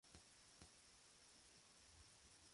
Su desembocadura ha sido declarada sitio Ramsar.